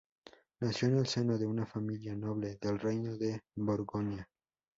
Nació en el seno de una familia noble del Reino de Borgoña.